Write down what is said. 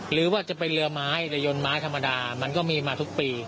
หรือว่าจะเป็นเรือไม้เรือยนไม้ธรรมดามันก็มีมาทุกปี